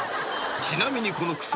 ［ちなみにこの薬。